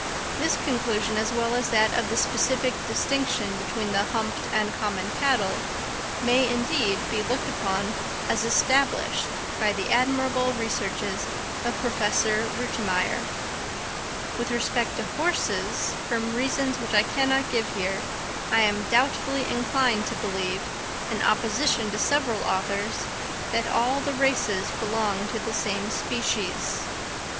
This conclusion, as well as that of the specific distinction between the humped and common cattle, may, indeed, be looked upon as established by the admirable researches of Professor Rütimeyer. With respect to horses, from reasons which I cannot here give, I am doubtfully inclined to believe, in opposition to several authors, that all the races belong to the same species.